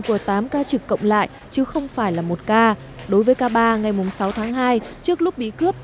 của tám ca trực cộng lại chứ không phải là một ca đối với ca ba ngày sáu tháng hai trước lúc bị cướp